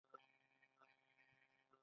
بهتان تړل ګناه ده